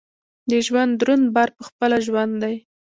د ژوند دروند بار پخپله ژوند دی.